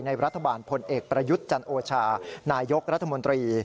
รัฐบาลพลเอกประยุทธ์จันโอชานายกรัฐมนตรี